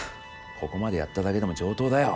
ここまでやっただけでも上等だよ